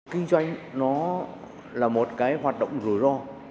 kinh doanh nó là một cái hoạt động rủi ro